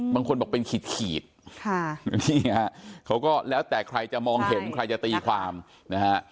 บางคนบอกเป็นขีดขีดนี่ฮะเขาก็แล้วแต่ใครจะมองเห็นใครจะตีความนะฮะ